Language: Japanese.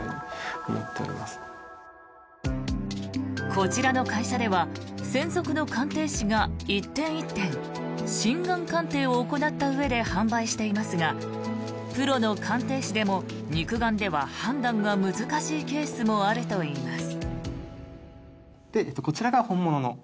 こちらの会社では専属の鑑定士が１点１点、真がん鑑定を行ったうえで販売していますがプロの鑑定士でも肉眼では判断が難しいケースもあるといいます。